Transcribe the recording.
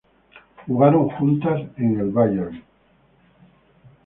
Jugaron juntas en el Bayern.